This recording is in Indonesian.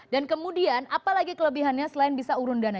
dan kemudian apalagi kelebihannya selain bisa urun dana